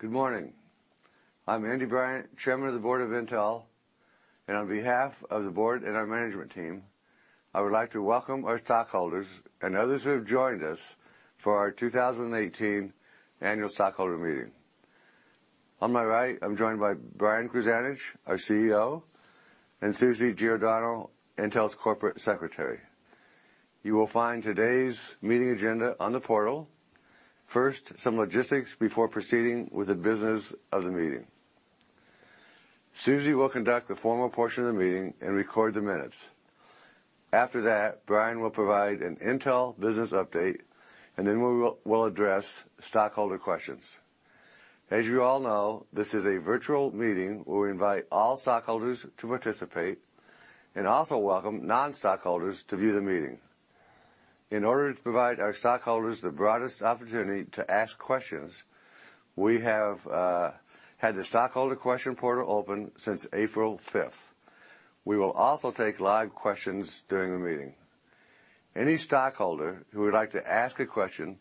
Good morning. I'm Andy Bryant, Chairman of the Board of Intel, on behalf of the board and our management team, I would like to welcome our stockholders and others who have joined us for our 2018 annual stockholder meeting. On my right, I'm joined by Brian Krzanich, our CEO, and Susie Giordano, Intel's corporate secretary. You will find today's meeting agenda on the portal. First, some logistics before proceeding with the business of the meeting. Suzy will conduct the formal portion of the meeting and record the minutes. After that, Brian will provide an Intel business update, then we'll address stockholder questions. As you all know, this is a virtual meeting where we invite all stockholders to participate, also welcome non-stockholders to view the meeting. In order to provide our stockholders the broadest opportunity to ask questions, we have had the stockholder question portal open since April 5th. We will also take live questions during the meeting. Any stockholder who would like to ask a question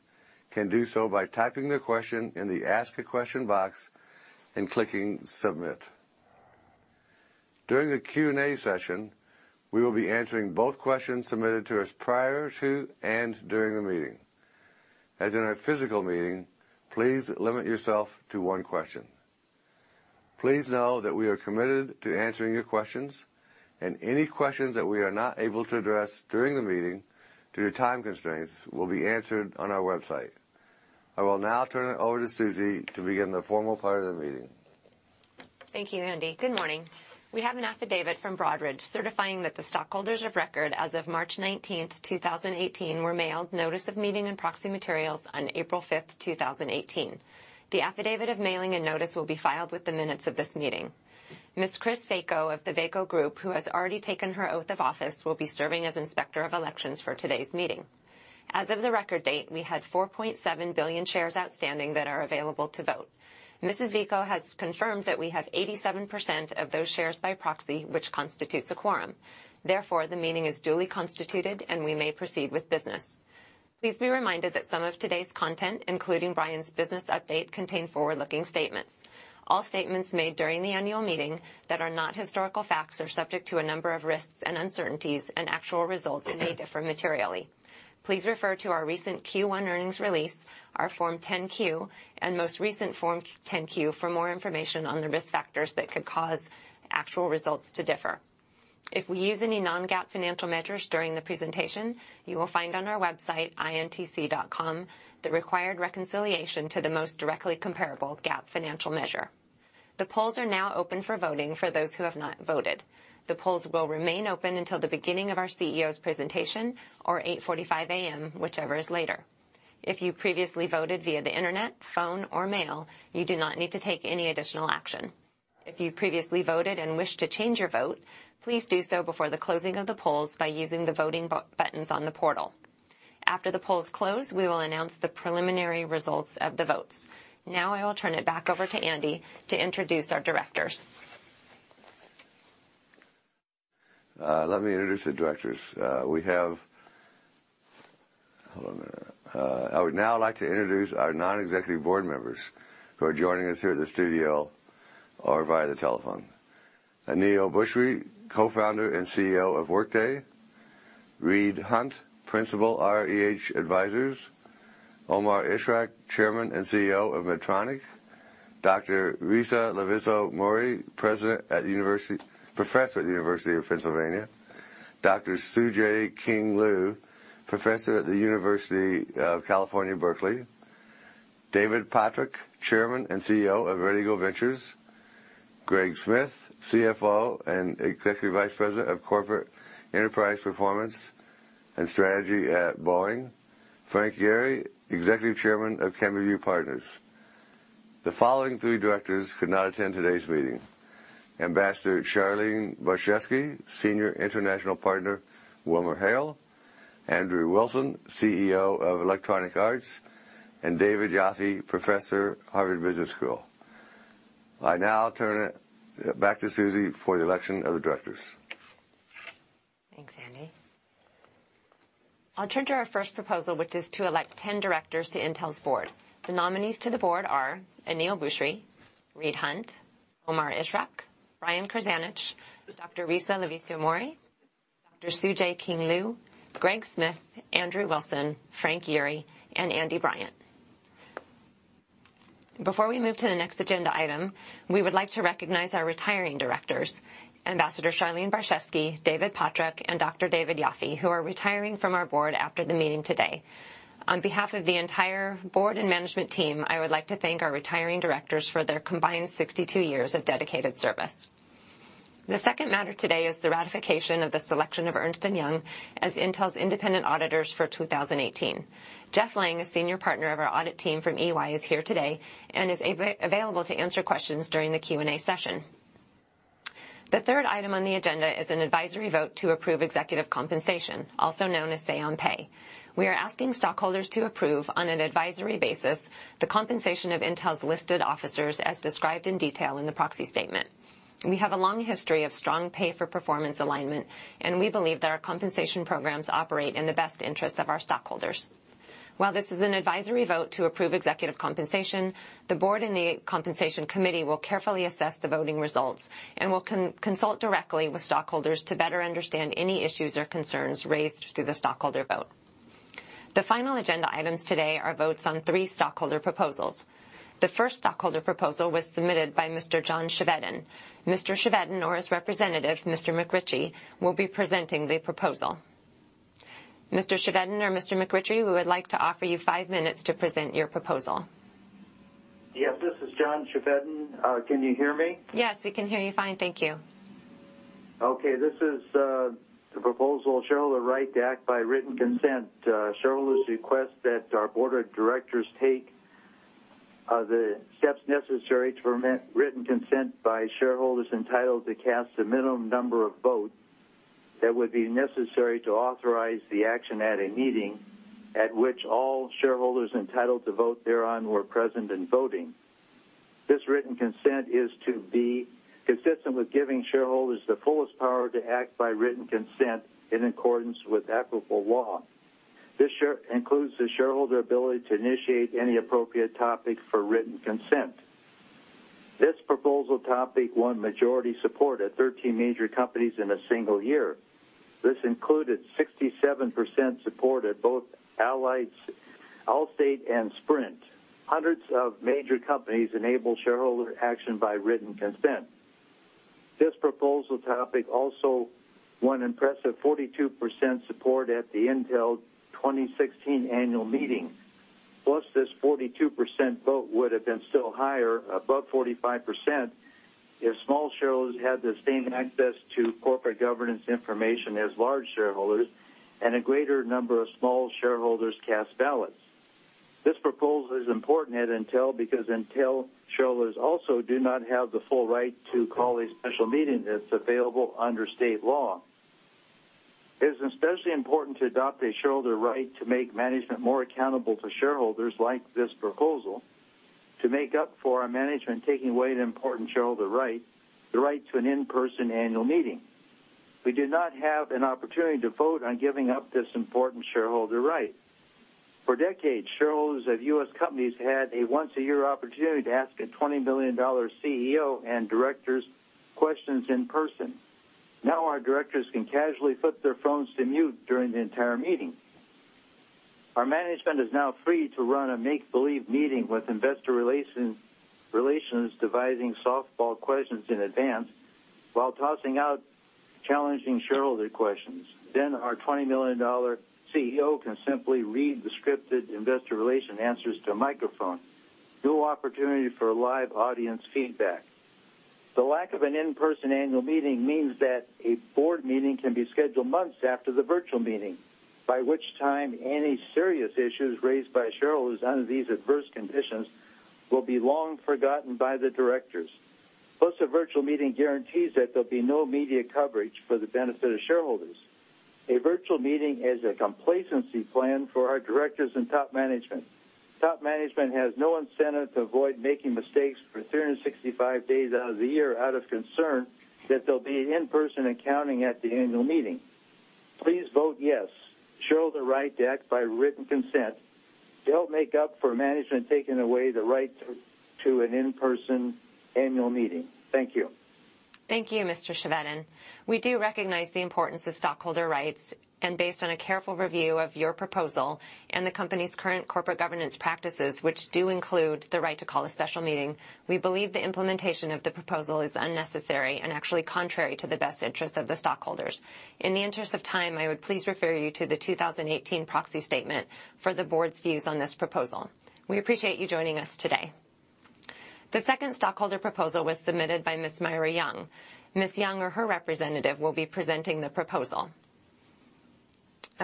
can do so by typing their question in the Ask a Question box and clicking Submit. During the Q&A session, we will be answering both questions submitted to us prior to and during the meeting. As in our physical meeting, please limit yourself to one question. Please know that we are committed to answering your questions, any questions that we are not able to address during the meeting due to time constraints will be answered on our website. I will now turn it over to Suzy to begin the formal part of the meeting. Thank you, Andy. Good morning. We have an affidavit from Broadridge certifying that the stockholders of record as of March 19th, 2018, were mailed notice of meeting and proxy materials on April 5th, 2018. The affidavit of mailing and notice will be filed with the minutes of this meeting. Ms. Chris Vaco of The Vacco Group, who has already taken her oath of office, will be serving as Inspector of Elections for today's meeting. As of the record date, we had 4.7 billion shares outstanding that are available to vote. Mrs. Vaco has confirmed that we have 87% of those shares by proxy, which constitutes a quorum. Therefore, the meeting is duly constituted, we may proceed with business. Please be reminded that some of today's content, including Brian's business update, contain forward-looking statements. All statements made during the annual meeting that are not historical facts are subject to a number of risks and uncertainties, actual results may differ materially. Please refer to our recent Q1 earnings release, our Form 10-Q, most recent Form 10-Q for more information on the risk factors that could cause actual results to differ. If we use any non-GAAP financial measures during the presentation, you will find on our website, intc.com, the required reconciliation to the most directly comparable GAAP financial measure. The polls are now open for voting for those who have not voted. The polls will remain open until the beginning of our CEO's presentation or 8:45 A.M., whichever is later. If you previously voted via the internet, phone, or mail, you do not need to take any additional action. If you previously voted and wish to change your vote, please do so before the closing of the polls by using the voting buttons on the portal. After the polls close, we will announce the preliminary results of the votes. Now, I will turn it back over to Andy to introduce our directors. Hold on a minute. I would now like to introduce our non-executive board members who are joining us here at the studio or via the telephone. Aneel Bhusri, co-founder and CEO of Workday. Reed Hundt, principal, REH Advisors. Omar Ishrak, chairman and CEO of Medtronic. Dr. Risa Lavizzo-Mourey, professor at the University of Pennsylvania. Dr. Tsu-Jae King Liu, professor at the University of California, Berkeley. David Pottruck, chairman and CEO of Red Eagle Ventures. Greg Smith, CFO and executive vice president of Corporate Enterprise Performance and Strategy at Boeing. Frank Yeary, executive chairman of CamberView Partners. The following three directors could not attend today's meeting. Ambassador Charlene Barshefsky, senior international partner, WilmerHale. Andrew Wilson, CEO of Electronic Arts, and David Yoffie, professor, Harvard Business School. I now turn it back to Suzy for the election of the directors. Thanks, Andy. I'll turn to our first proposal, which is to elect 10 directors to Intel's board. The nominees to the board are Aneel Bhusri, Reed Hundt, Omar Ishrak, Brian Krzanich, Dr. Risa Lavizzo-Mourey, Dr. Tsu-Jae King Liu, Greg Smith, Andrew Wilson, Frank Yeary, and Andy Bryant. Before we move to the next agenda item, we would like to recognize our retiring directors, Ambassador Charlene Barshefsky, David Pottruck, and Dr. David Yoffie, who are retiring from our board after the meeting today. On behalf of the entire board and management team, I would like to thank our retiring directors for their combined 62 years of dedicated service. The second matter today is the ratification of the selection of Ernst & Young as Intel's independent auditors for 2018. Jeff Lang, a senior partner of our audit team from EY, is here today and is available to answer questions during the Q&A session. The third item on the agenda is an advisory vote to approve executive compensation, also known as say on pay. We are asking stockholders to approve, on an advisory basis, the compensation of Intel's listed officers as described in detail in the proxy statement. We have a long history of strong pay for performance alignment, and we believe that our compensation programs operate in the best interest of our stockholders. While this is an advisory vote to approve executive compensation, the board and the Compensation Committee will carefully assess the voting results and will consult directly with stockholders to better understand any issues or concerns raised through the stockholder vote. The final agenda items today are votes on three stockholder proposals. The first stockholder proposal was submitted by Mr. John Chevedden. Mr. Chevedden or his representative, Mr. McRitchie, will be presenting the proposal. Mr. Chevedden or Mr. McRitchie, we would like to offer you five minutes to present your proposal. Yes, this is John Chevedden. Can you hear me? Yes, we can hear you fine, thank you. Okay. This is the proposal, shareholder right to act by written consent. Shareholders request that our board of directors take the steps necessary to permit written consent by shareholders entitled to cast a minimum number of votes that would be necessary to authorize the action at a meeting at which all shareholders entitled to vote thereon were present and voting. This written consent is to be consistent with giving shareholders the fullest power to act by written consent in accordance with equitable law. This includes the shareholder ability to initiate any appropriate topic for written consent. This proposal topic won majority support at 13 major companies in a single year. This included 67% support at both Allstate and Sprint. Hundreds of major companies enable shareholder action by written consent. This proposal topic also won impressive 42% support at the Intel 2016 annual meeting. This 42% vote would have been still higher, above 45%, if small shareholders had the same access to corporate governance information as large shareholders and a greater number of small shareholders cast ballots. This proposal is important at Intel because Intel shareholders also do not have the full right to call a special meeting that's available under state law. It is especially important to adopt a shareholder right to make management more accountable to shareholders like this proposal to make up for our management taking away an important shareholder right, the right to an in-person annual meeting. We did not have an opportunity to vote on giving up this important shareholder right. For decades, shareholders of U.S. companies had a once-a-year opportunity to ask a $20 million CEO and directors questions in person. Now our directors can casually flip their phones to mute during the entire meeting. Our management is now free to run a make-believe meeting with investor relations devising softball questions in advance while tossing out challenging shareholder questions. Our $20 million CEO can simply read the scripted investor relation answers to a microphone. No opportunity for live audience feedback. The lack of an in-person annual meeting means that a board meeting can be scheduled months after the virtual meeting, by which time any serious issues raised by shareholders under these adverse conditions will be long forgotten by the directors. A virtual meeting guarantees that there'll be no media coverage for the benefit of shareholders. A virtual meeting is a complacency plan for our directors and top management. Top management has no incentive to avoid making mistakes for 365 days out of the year out of concern that there'll be an in-person accounting at the annual meeting. Please vote yes. Shareholder right to act by written consent to help make up for management taking away the right to an in-person annual meeting. Thank you. Thank you, Mr. Chevedden. We do recognize the importance of stockholder rights, based on a careful review of your proposal and the company's current corporate governance practices, which do include the right to call a special meeting, we believe the implementation of the proposal is unnecessary and actually contrary to the best interest of the stockholders. In the interest of time, I would please refer you to the 2018 proxy statement for the board's views on this proposal. We appreciate you joining us today. The second stockholder proposal was submitted by Ms. Myra Young. Ms. Young or her representative will be presenting the proposal.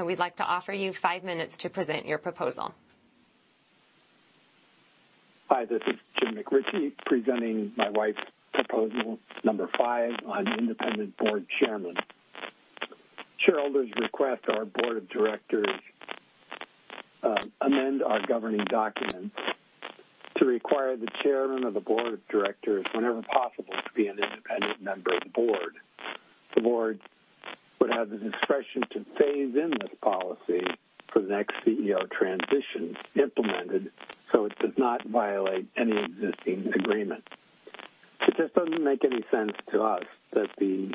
We'd like to offer you five minutes to present your proposal. Hi, this is Jim McRitchie presenting my wife's proposal number five on independent board chairman. Shareholders request our board of directors amend our governing documents to require the chairman of the board of directors, whenever possible, to be an independent member of the board. The board would have the discretion to phase in this policy for the next CEO transition implemented so it does not violate any existing agreement. It just doesn't make any sense to us that the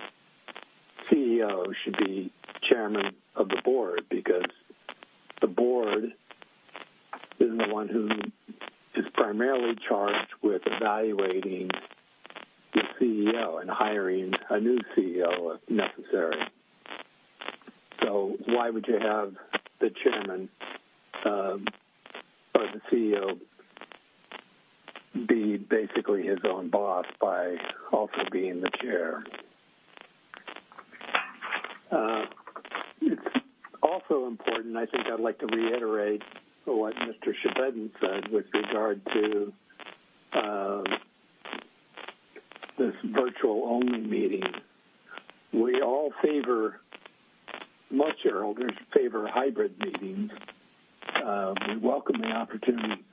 CEO should be chairman of the board because the board is the one who is primarily charged with evaluating the CEO and hiring a new CEO if necessary. Why would you have the chairman, or the CEO, be basically his own boss by also being the chair? It's also important, I think I'd like to reiterate what Mr. Chevedden said with regard to this virtual-only meeting. Many shareholders favor hybrid meetings. We welcome the opportunity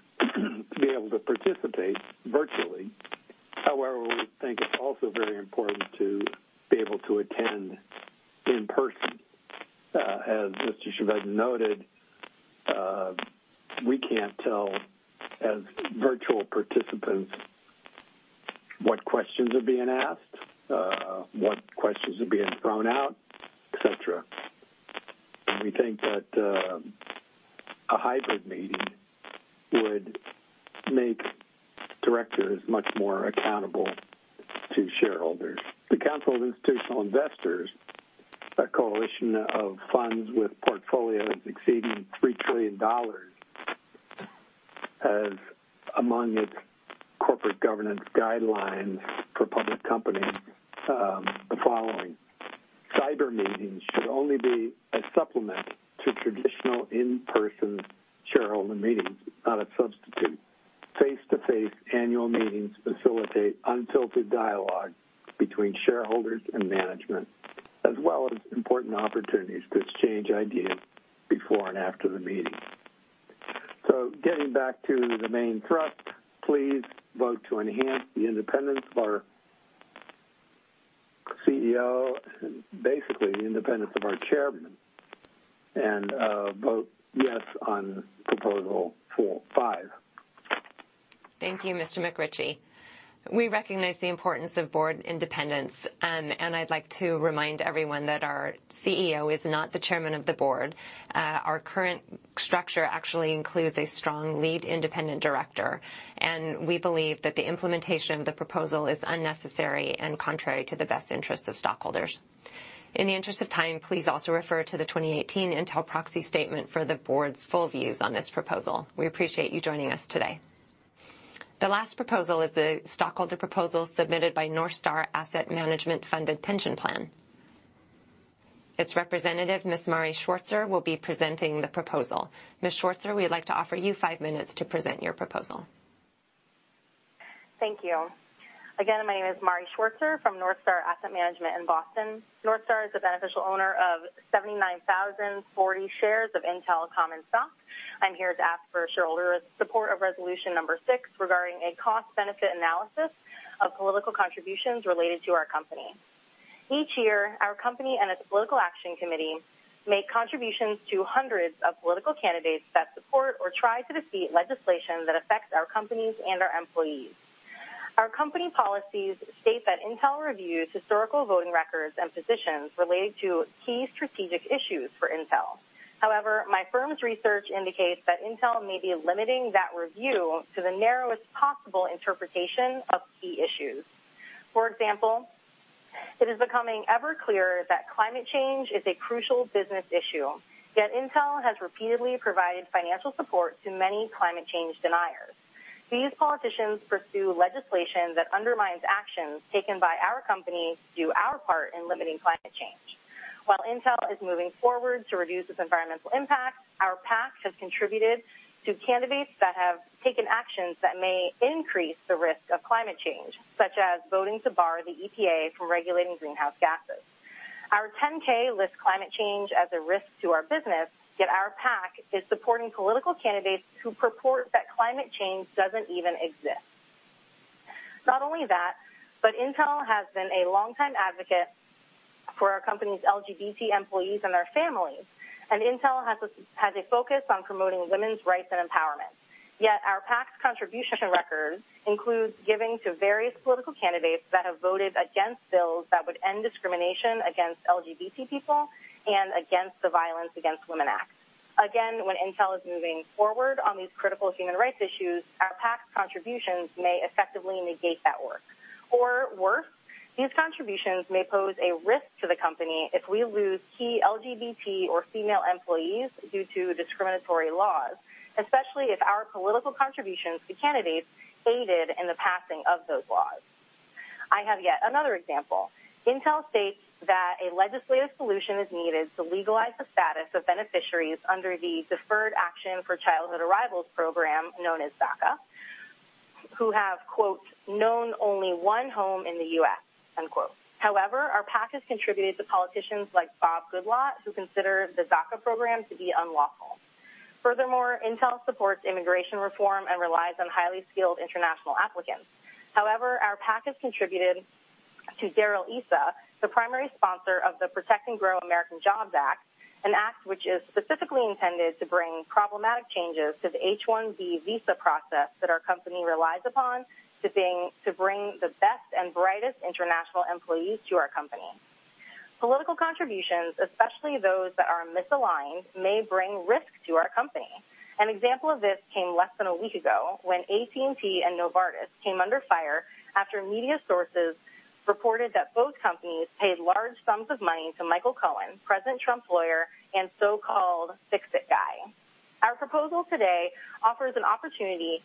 Virtually. However, we think it's also very important to be able to attend in person. As Mr. Chevedden noted, we can't tell as virtual participants what questions are being asked, what questions are being thrown out, et cetera. We think that a hybrid meeting would make directors much more accountable to shareholders. The Council of Institutional Investors, a coalition of funds with portfolios exceeding $3 trillion, has among its corporate governance guidelines for public companies, the following. Cyber meetings should only be a supplement to traditional in-person shareholder meetings, not a substitute. Face-to-face annual meetings facilitate unfiltered dialogue between shareholders and management, as well as important opportunities to exchange ideas before and after the meeting. Getting back to the main thrust, please vote to enhance the independence of our CEO and basically the independence of our chairman, and vote yes on proposal 4-5. Thank you, Mr. McRitchie. We recognize the importance of board independence, and I'd like to remind everyone that our CEO is not the chairman of the board. Our current structure actually includes a strong lead independent director, and we believe that the implementation of the proposal is unnecessary and contrary to the best interest of stockholders. In the interest of time, please also refer to the 2018 Intel proxy statement for the board's full views on this proposal. We appreciate you joining us today. The last proposal is a stockholder proposal submitted by NorthStar Asset Management Funded Pension Plan. Its representative, Ms. Mari Schwartzer, will be presenting the proposal. Ms. Schwartzer, we'd like to offer you five minutes to present your proposal. Thank you. Again, my name is Mari Schwartzer from NorthStar Asset Management in Boston. NorthStar is the beneficial owner of 79,040 shares of Intel common stock. I'm here to ask for shareholder support of resolution number six regarding a cost-benefit analysis of political contributions related to our company. Each year, our company and its political action committee make contributions to hundreds of political candidates that support or try to defeat legislation that affects our companies and our employees. Our company policies state that Intel reviews historical voting records and positions related to key strategic issues for Intel. However, my firm's research indicates that Intel may be limiting that review to the narrowest possible interpretation of key issues. For example, it is becoming ever clearer that climate change is a crucial business issue, yet Intel has repeatedly provided financial support to many climate change deniers. These politicians pursue legislation that undermines actions taken by our company to do our part in limiting climate change. While Intel is moving forward to reduce its environmental impact, our PAC has contributed to candidates that have taken actions that may increase the risk of climate change, such as voting to bar the EPA from regulating greenhouse gases. Our 10-K lists climate change as a risk to our business, yet our PAC is supporting political candidates who purport that climate change doesn't even exist. Not only that, Intel has been a longtime advocate for our company's LGBT employees and their families, and Intel has a focus on promoting women's rights and empowerment. Yet our PAC's contribution record includes giving to various political candidates that have voted against bills that would end discrimination against LGBT people and against the Violence Against Women Act. Again, when Intel is moving forward on these critical human rights issues, our PAC's contributions may effectively negate that work. Worse, these contributions may pose a risk to the company if we lose key LGBT or female employees due to discriminatory laws, especially if our political contributions to candidates aided in the passing of those laws. I have yet another example. Intel states that a legislative solution is needed to legalize the status of beneficiaries under the Deferred Action for Childhood Arrivals program, known as DACA, who have, quote, "Known only one home in the U.S." unquote. However, our PAC has contributed to politicians like Bob Goodlatte, who consider the DACA program to be unlawful. Furthermore, Intel supports immigration reform and relies on highly skilled international applicants. However, our PAC has contributed to Darrell Issa, the primary sponsor of the Protect and Grow American Jobs Act, an act which is specifically intended to bring problematic changes to the H-1B visa process that our company relies upon to bring the best and brightest international employees to our company. Political contributions, especially those that are misaligned, may bring risk to our company. An example of this came less than a week ago when AT&T and Novartis came under fire after media sources reported that both companies paid large sums of money to Michael Cohen, President Trump's lawyer and so-called fix-it guy. Our proposal today offers an opportunity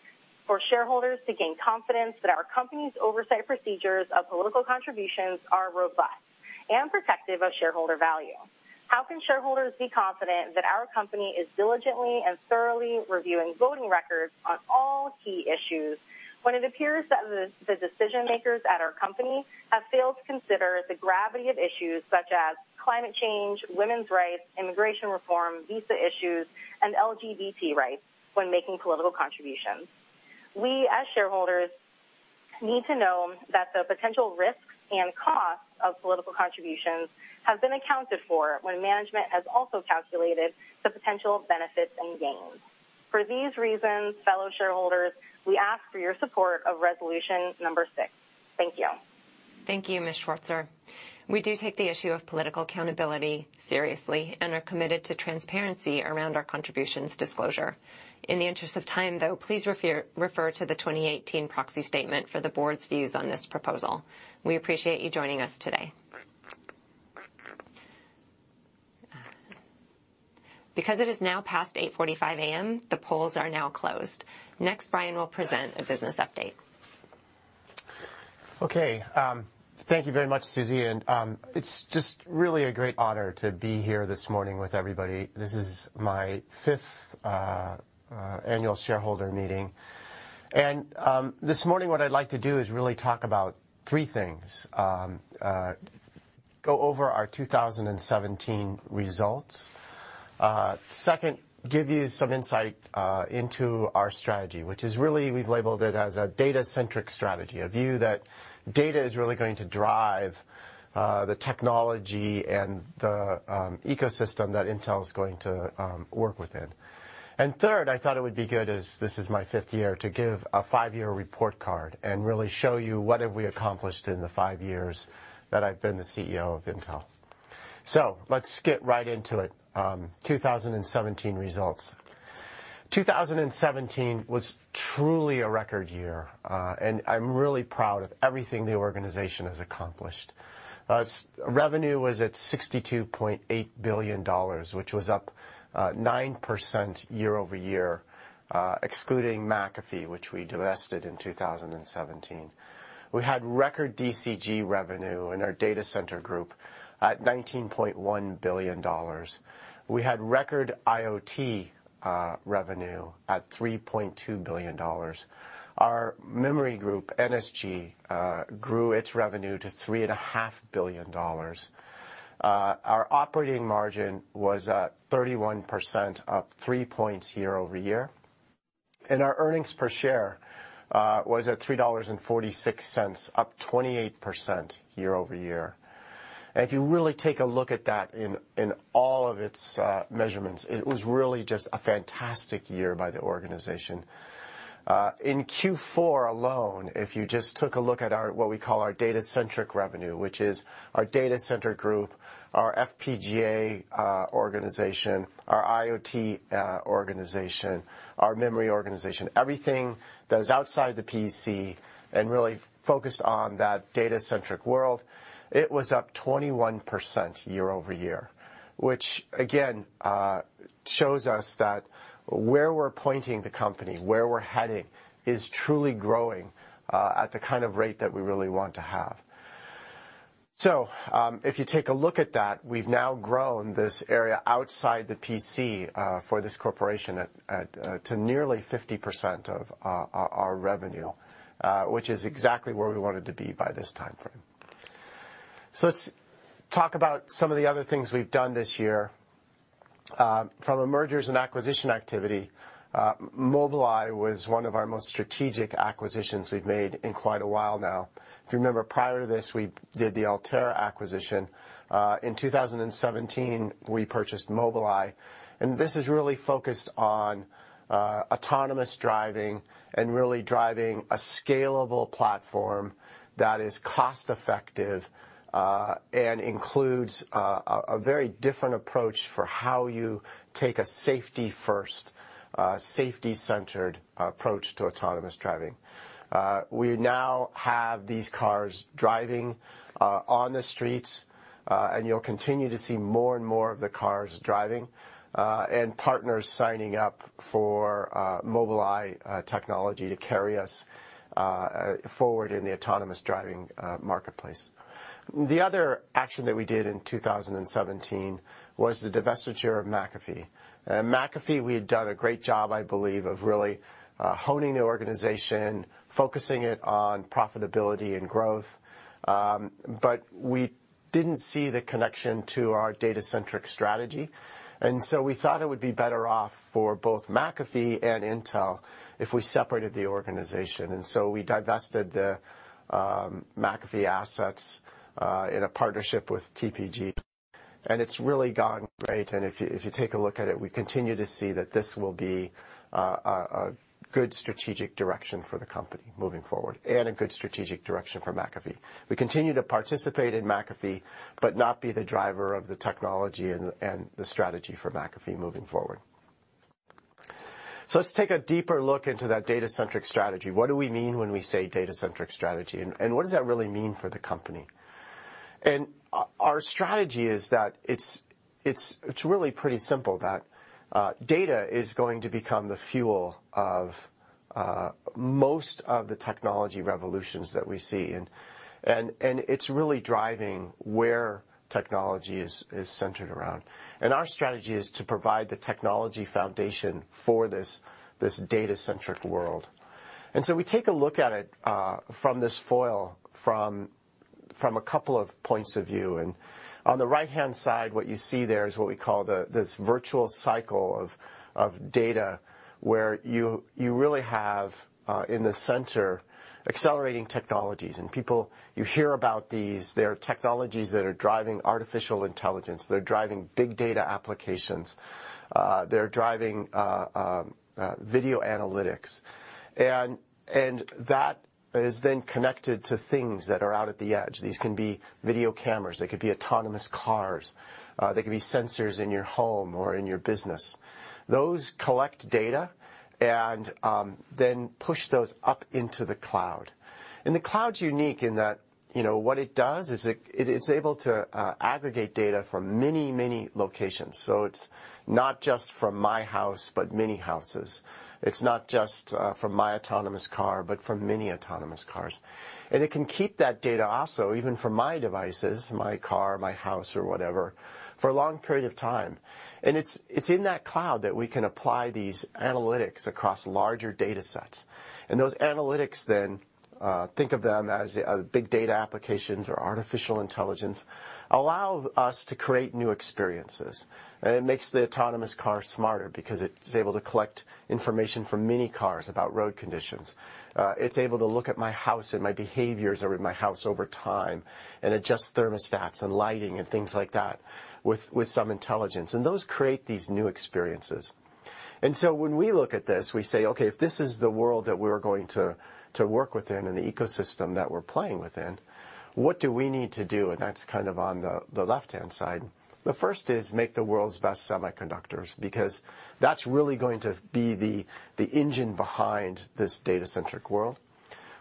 for shareholders to gain confidence that our company's oversight procedures of political contributions are robust and protective of shareholder value. How can shareholders be confident that our company is diligently and thoroughly reviewing voting records on all key issues when it appears that the decision-makers at our company have failed to consider the gravity of issues such as climate change, women's rights, immigration reform, visa issues, and LGBT rights when making political contributions? We, as shareholders need to know that the potential risks and costs of political contributions have been accounted for when management has also calculated the potential benefits and gains. For these reasons, fellow shareholders, we ask for your support of resolution number 6. Thank you. Thank you, Ms. Schwartzer. We do take the issue of political accountability seriously and are committed to transparency around our contributions disclosure. In the interest of time, though, please refer to the 2018 proxy statement for the board's views on this proposal. We appreciate you joining us today. Because it is now past 8:45 A.M., the polls are now closed. Next, Brian will present a business update. Okay. Thank you very much, Susie. It's just really a great honor to be here this morning with everybody. This is my fifth annual shareholder meeting. This morning, what I'd like to do is really talk about three things. Go over our 2017 results. Second, give you some insight into our strategy, which is really, we've labeled it as a data-centric strategy, a view that data is really going to drive the technology and the ecosystem that Intel is going to work within. Third, I thought it would be good, as this is my fifth year, to give a five-year report card and really show you what have we accomplished in the five years that I've been the CEO of Intel. So let's get right into it. 2017 results. 2017 was truly a record year. I'm really proud of everything the organization has accomplished. Revenue was at $62.8 billion, which was up 9% year-over-year, excluding McAfee, which we divested in 2017. We had record DCG revenue in our data center group at $19.1 billion. We had record IoT revenue at $3.2 billion. Our memory group, NSG, grew its revenue to $3.5 billion. Our operating margin was at 31%, up three points year-over-year. Our earnings per share was at $3.46, up 28% year-over-year. If you really take a look at that in all of its measurements, it was really just a fantastic year by the organization. In Q4 alone, if you just took a look at what we call our data-centric revenue, which is our data center group, our FPGA organization, our IoT organization, our memory organization, everything that is outside the PC, and really focused on that data-centric world, it was up 21% year-over-year, which again shows us that where we're pointing the company, where we're heading, is truly growing at the kind of rate that we really want to have. If you take a look at that, we've now grown this area outside the PC for this corporation to nearly 50% of our revenue, which is exactly where we wanted to be by this timeframe. Let's talk about some of the other things we've done this year. From a mergers and acquisition activity, Mobileye was one of our most strategic acquisitions we've made in quite a while now. If you remember, prior to this, we did the Altera acquisition. In 2017, we purchased Mobileye, and this is really focused on autonomous driving and really driving a scalable platform that is cost-effective and includes a very different approach for how you take a safety-first, safety-centered approach to autonomous driving. We now have these cars driving on the streets, and you'll continue to see more and more of the cars driving, and partners signing up for Mobileye technology to carry us forward in the autonomous driving marketplace. The other action that we did in 2017 was the divestiture of McAfee. McAfee, we had done a great job, I believe, of really honing the organization, focusing it on profitability and growth, but we didn't see the connection to our data-centric strategy. We thought it would be better off for both McAfee and Intel if we separated the organization. We divested the McAfee assets in a partnership with TPG, and it's really gone great. If you take a look at it, we continue to see that this will be a good strategic direction for the company moving forward, and a good strategic direction for McAfee. We continue to participate in McAfee, but not be the driver of the technology and the strategy for McAfee moving forward. Let's take a deeper look into that data-centric strategy. What do we mean when we say data-centric strategy, and what does that really mean for the company? Our strategy is that it's really pretty simple, that data is going to become the fuel of most of the technology revolutions that we see. It's really driving where technology is centered around. Our strategy is to provide the technology foundation for this data-centric world. We take a look at it from this foil from a couple of points of view. On the right-hand side, what you see there is what we call this virtual cycle of data, where you really have, in the center, accelerating technologies. People, you hear about these, they're technologies that are driving artificial intelligence. They're driving big data applications. They're driving video analytics. That is then connected to things that are out at the edge. These can be video cameras, they could be autonomous cars, they could be sensors in your home or in your business. Those collect data and then push those up into the cloud. The cloud's unique in that what it does is it's able to aggregate data from many, many locations. It's not just from my house, but many houses. It's not just from my autonomous car, but from many autonomous cars. It can keep that data also, even from my devices, my car, my house, or whatever, for a long period of time. It's in that cloud that we can apply these analytics across larger data sets. Those analytics then, think of them as big data applications or artificial intelligence, allow us to create new experiences. It makes the autonomous car smarter because it's able to collect information from many cars about road conditions. It's able to look at my house and my behaviors in my house over time and adjust thermostats and lighting and things like that with some intelligence. Those create these new experiences. When we look at this, we say, okay, if this is the world that we're going to work within and the ecosystem that we're playing within, what do we need to do? That's kind of on the left-hand side. The first is make the world's best semiconductors, because that's really going to be the engine behind this data-centric world.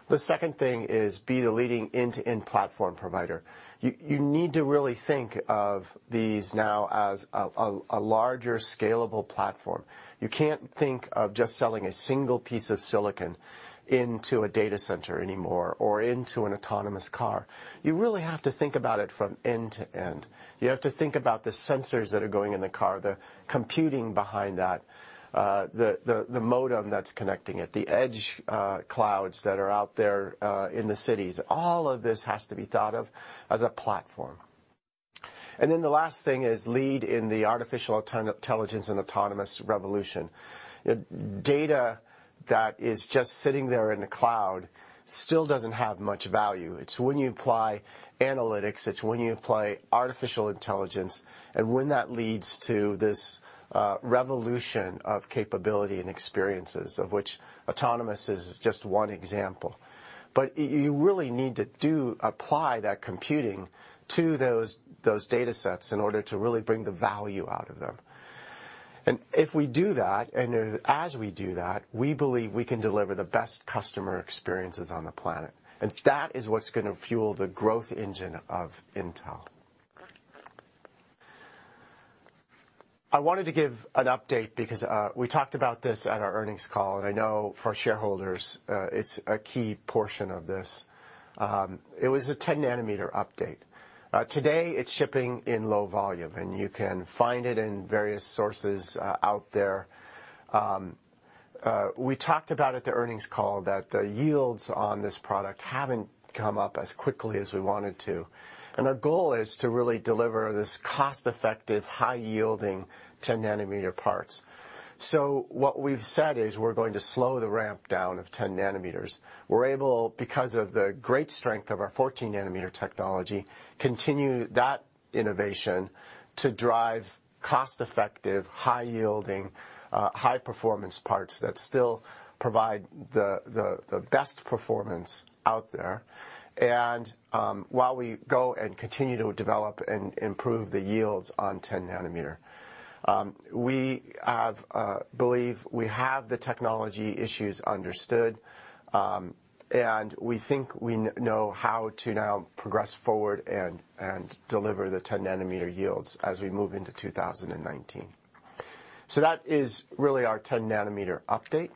The second thing is be the leading end-to-end platform provider. You need to really think of these now as a larger scalable platform. You can't think of just selling a single piece of silicon into a data center anymore or into an autonomous car. You really have to think about it from end to end. You have to think about the sensors that are going in the car, the computing behind that, the modem that's connecting it, the edge clouds that are out there in the cities. All of this has to be thought of as a platform. The last thing is lead in the artificial intelligence and autonomous revolution. Data that is just sitting there in the cloud still doesn't have much value. It's when you apply analytics, it's when you apply artificial intelligence, and when that leads to this revolution of capability and experiences, of which autonomous is just one example. You really need to apply that computing to those data sets in order to really bring the value out of them. If we do that, and as we do that, we believe we can deliver the best customer experiences on the planet. That is what's going to fuel the growth engine of Intel. I wanted to give an update because we talked about this at our earnings call, and I know for shareholders, it's a key portion of this. It was a 10 nanometer update. Today, it's shipping in low volume, and you can find it in various sources out there. We talked about at the earnings call that the yields on this product haven't come up as quickly as we want it to. Our goal is to really deliver this cost-effective, high-yielding 10 nanometer parts. What we've said is we're going to slow the ramp down of 10 nanometers. We're able, because of the great strength of our 14 nanometer technology, continue that innovation to drive cost-effective, high-yielding, high-performance parts that still provide the best performance out there, and while we go and continue to develop and improve the yields on 10 nanometer. We believe we have the technology issues understood, and we think we know how to now progress forward and deliver the 10 nanometer yields as we move into 2019. That is really our 10 nanometer update.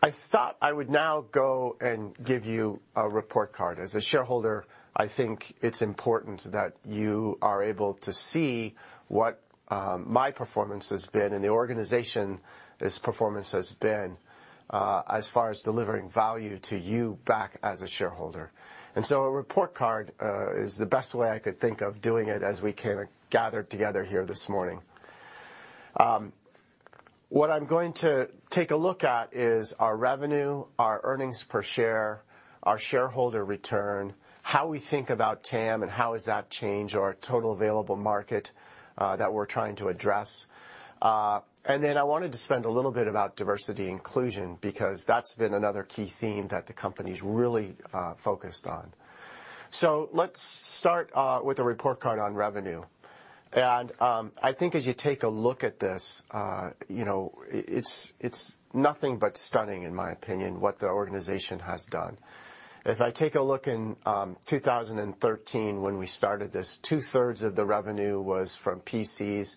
I thought I would now go and give you a report card. As a shareholder, I think it's important that you are able to see what my performance has been and the organization's performance has been as far as delivering value to you back as a shareholder. A report card is the best way I could think of doing it as we kind of gather together here this morning. What I'm going to take a look at is our revenue, our earnings per share, our shareholder return, how we think about TAM, and how has that changed our total available market that we're trying to address. I wanted to spend a little bit about diversity inclusion, because that's been another key theme that the company's really focused on. Let's start with a report card on revenue. I think as you take a look at this, it's nothing but stunning in my opinion, what the organization has done. If I take a look in 2013, when we started this, two-thirds of the revenue was from PCs.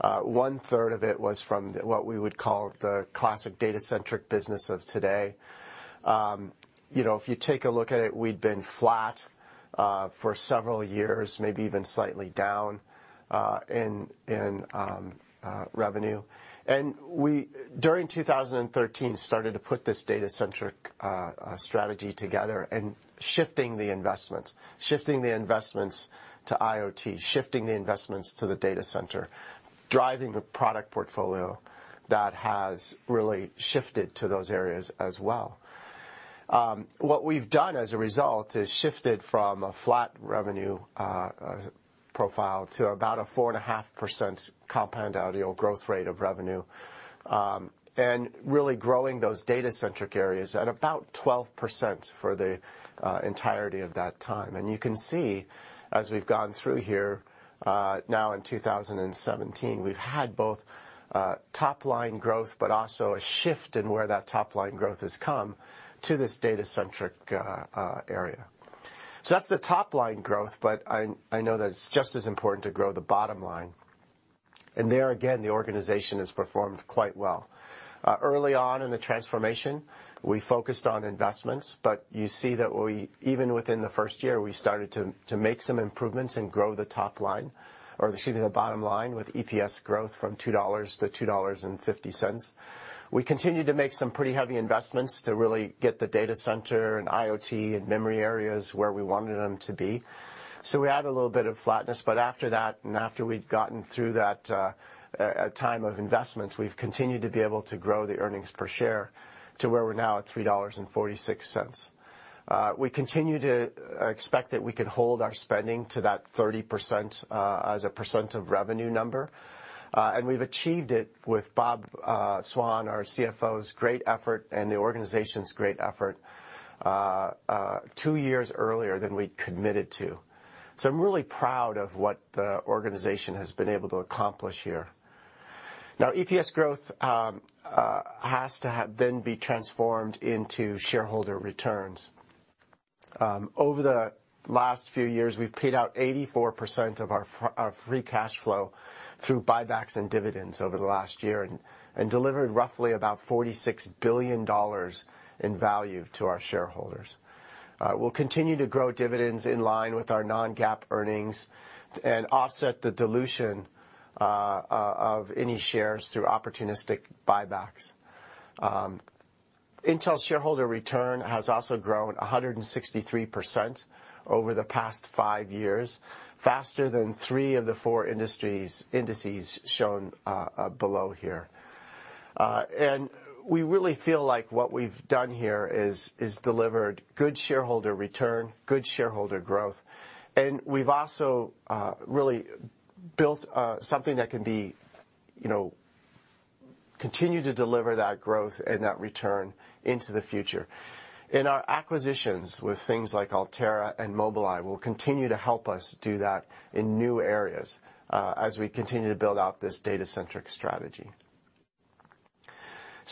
One-third of it was from what we would call the classic data-centric business of today. If you take a look at it, we'd been flat for several years, maybe even slightly down in revenue. During 2013, started to put this data-centric strategy together and shifting the investments. Shifting the investments to IoT, shifting the investments to the data center, driving the product portfolio that has really shifted to those areas as well. What we've done as a result is shifted from a flat revenue profile to about a 4.5% compound annual growth rate of revenue, really growing those data-centric areas at about 12% for the entirety of that time. You can see, as we've gone through here, now in 2017, we've had both top-line growth, but also a shift in where that top-line growth has come to this data-centric area. That's the top-line growth, but I know that it's just as important to grow the bottom line. There again, the organization has performed quite well. Early on in the transformation, we focused on investments, but you see that even within the first year, we started to make some improvements and grow the top line, or excuse me, the bottom line with EPS growth from $2 to $2.50. We continued to make some pretty heavy investments to really get the data center and IoT and memory areas where we wanted them to be. We had a little bit of flatness, but after that, and after we'd gotten through that time of investment, we've continued to be able to grow the earnings per share to where we're now at $3.46. We continue to expect that we can hold our spending to that 30% as a percent of revenue number. We've achieved it with Bob Swan, our CFO's great effort, and the organization's great effort, two years earlier than we'd committed to. I'm really proud of what the organization has been able to accomplish here. EPS growth has to then be transformed into shareholder returns. Over the last few years, we've paid out 84% of our free cash flow through buybacks and dividends over the last year and delivered roughly about $46 billion in value to our shareholders. We'll continue to grow dividends in line with our non-GAAP earnings and offset the dilution of any shares through opportunistic buybacks. Intel shareholder return has also grown 163% over the past five years, faster than three of the four industries indices shown below here. We really feel like what we've done here is delivered good shareholder return, good shareholder growth, and we've also really built something that can continue to deliver that growth and that return into the future. Our acquisitions with things like Altera and Mobileye will continue to help us do that in new areas as we continue to build out this data-centric strategy.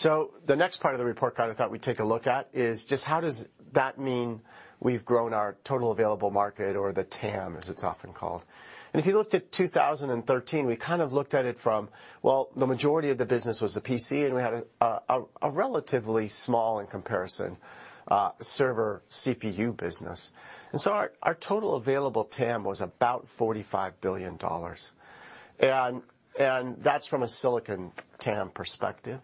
The next part of the report card I thought we'd take a look at is just how does that mean we've grown our total available market or the TAM, as it's often called. If you looked at 2013, we kind of looked at it from, well, the majority of the business was the PC, and we had a relatively small, in comparison, server CPU business. Our total available TAM was about $45 billion. That's from a silicon TAM perspective.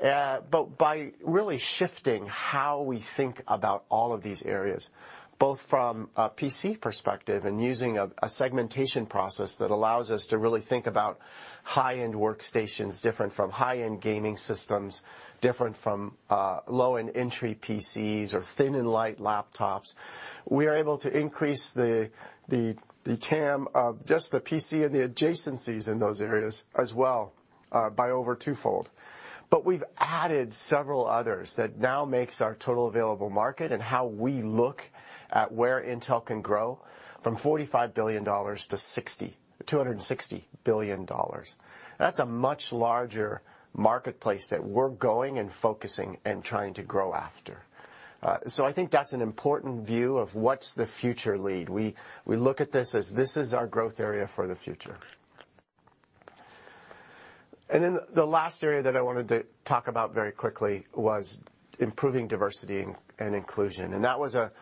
By really shifting how we think about all of these areas, both from a PC perspective and using a segmentation process that allows us to really think about high-end workstations different from high-end gaming systems, different from low-end entry PCs or thin and light laptops, we are able to increase the TAM of just the PC and the adjacencies in those areas as well by over twofold. But we've added several others that now makes our total available market and how we look at where Intel can grow from $45 billion to $260 billion. That's a much larger marketplace that we're going and focusing and trying to grow after. I think that's an important view of what's the future lead. We look at this as this is our growth area for the future. The last area that I wanted to talk about very quickly was improving diversity and inclusion. That was a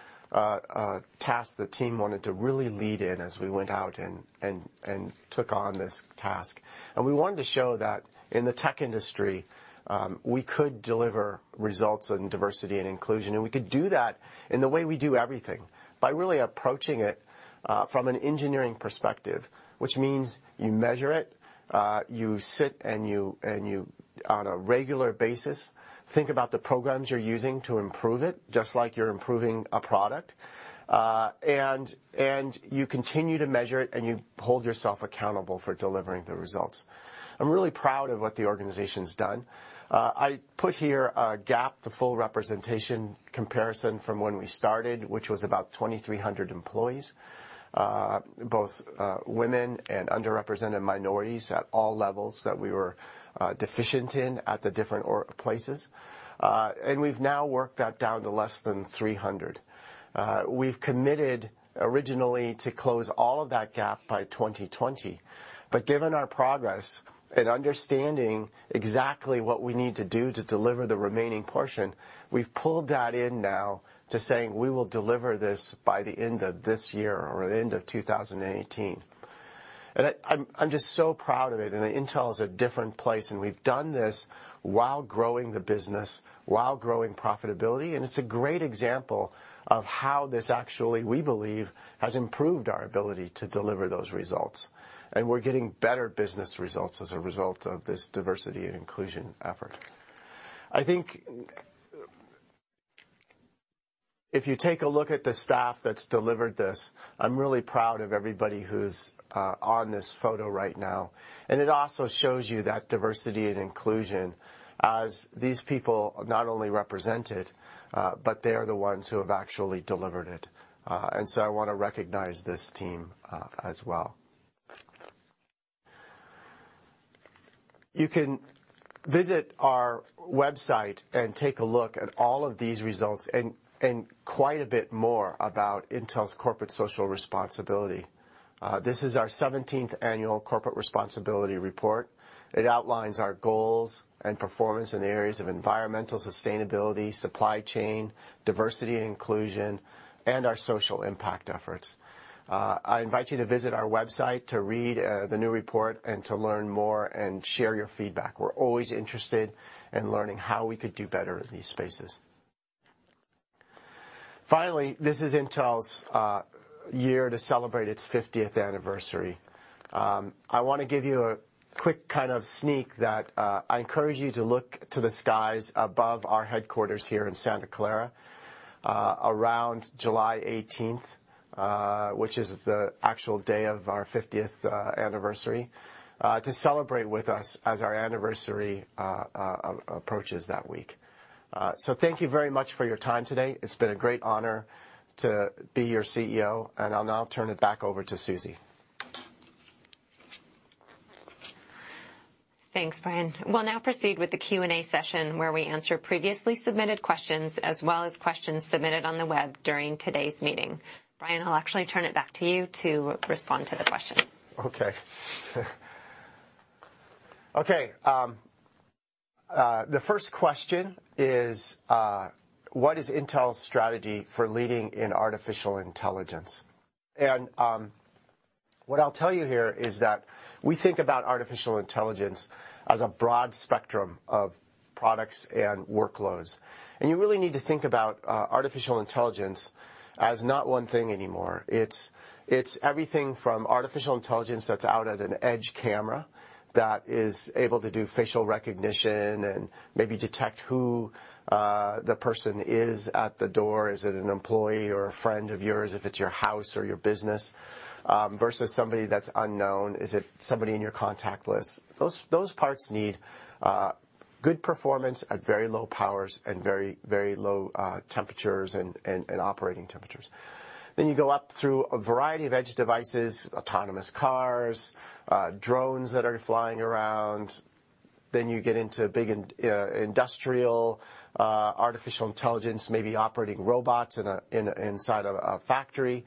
task the team wanted to really lead in as we went out and took on this task. We wanted to show that in the tech industry, we could deliver results in diversity and inclusion, and we could do that in the way we do everything, by really approaching it from an engineering perspective, which means you measure it, you sit and you, on a regular basis, think about the programs you're using to improve it, just like you're improving a product. You continue to measure it, and you hold yourself accountable for delivering the results. I'm really proud of what the organization's done. I put here a gap-to-full representation comparison from when we started, which was about 2,300 employees, both women and underrepresented minorities at all levels that we were deficient in at the different places. We've now worked that down to less than 300. We've committed originally to close all of that gap by 2020, but given our progress in understanding exactly what we need to do to deliver the remaining portion, we've pulled that in now to saying we will deliver this by the end of this year or the end of 2018. I'm just so proud of it. Intel is a different place, and we've done this while growing the business, while growing profitability, and it's a great example of how this actually, we believe, has improved our ability to deliver those results. We're getting better business results as a result of this diversity and inclusion effort. I think if you take a look at the staff that's delivered this, I'm really proud of everybody who's on this photo right now, and it also shows you that diversity and inclusion as these people not only represent it, but they are the ones who have actually delivered it. I want to recognize this team as well. You can visit our website and take a look at all of these results and quite a bit more about Intel's corporate social responsibility. This is our 17th annual corporate responsibility report. It outlines our goals and performance in areas of environmental sustainability, supply chain, diversity and inclusion, and our social impact efforts. I invite you to visit our website to read the new report and to learn more and share your feedback. We're always interested in learning how we could do better in these spaces. Finally, this is Intel's year to celebrate its 50th anniversary. I want to give you a quick kind of sneak that I encourage you to look to the skies above our headquarters here in Santa Clara around July 18th, which is the actual day of our 50th anniversary, to celebrate with us as our anniversary approaches that week. Thank you very much for your time today. It's been a great honor to be your CEO, and I'll now turn it back over to Susie. Thanks, Brian. We'll now proceed with the Q&A session, where we answer previously submitted questions as well as questions submitted on the web during today's meeting. Brian, I'll actually turn it back to you to respond to the questions. Okay. Okay. The first question is, "What is Intel's strategy for leading in artificial intelligence?" What I'll tell you here is that we think about artificial intelligence as a broad spectrum of products and workloads. You really need to think about artificial intelligence as not one thing anymore. It's everything from artificial intelligence that's out at an edge camera that is able to do facial recognition and maybe detect who the person is at the door. Is it an employee or a friend of yours, if it's your house or your business, versus somebody that's unknown? Is it somebody in your contact list? Those parts need good performance at very low powers and very low temperatures and operating temperatures. You go up through a variety of edge devices, autonomous cars, drones that are flying around, then you get into big industrial artificial intelligence, maybe operating robots inside a factory.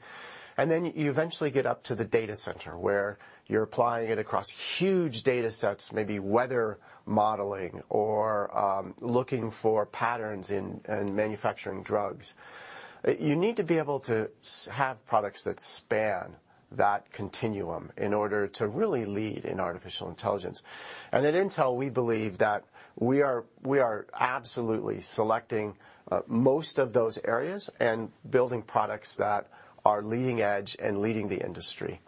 You eventually get up to the data center, where you're applying it across huge data sets, maybe weather modeling, or looking for patterns in manufacturing drugs. You need to be able to have products that span that continuum in order to really lead in artificial intelligence. At Intel, we believe that we are absolutely selecting most of those areas and building products that are leading edge and leading the industry.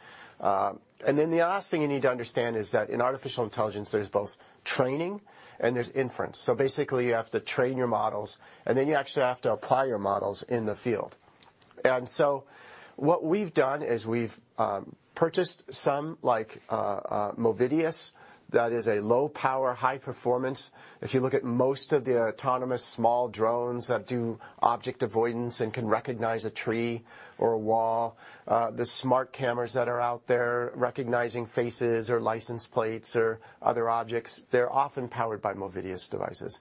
The last thing you need to understand is that in artificial intelligence, there's both training and there's inference. Basically, you have to train your models, and then you actually have to apply your models in the field. What we've done is we've purchased some, like Movidius, that is a low-power, high performance. If you look at most of the autonomous small drones that do object avoidance and can recognize a tree or a wall, the smart cameras that are out there recognizing faces or license plates or other objects, they're often powered by Movidius devices.